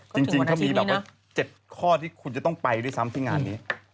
จริงเขามีแบบว่า๗ข้อที่คุณจะต้องไปด้วยซ้ำที่งานนี้